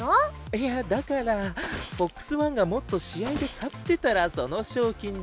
いやだからＦＯＸＯＮＥがもっと試合で勝ってたらその賞金で。